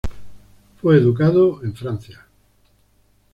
Fue educado en Francia.